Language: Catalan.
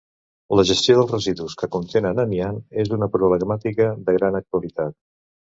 La gestió dels residus que contenen amiant és una problemàtica de gran actualitat.